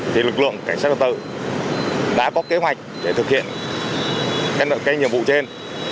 thì lực lượng cảnh sát hợp tự đã có kế hoạch để thực hiện các nhiệm vụ trên